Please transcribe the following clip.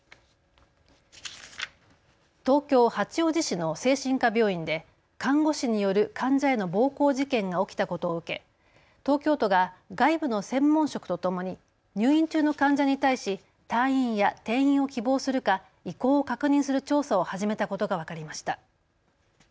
東京八王子市の精神科病院で看護師による患者への暴行事件が起きたことを受け東京都が外部の専門職とともに入院中の患者に対し退院や転院を希望するか意向を確認する調査を始めたことが分かりました。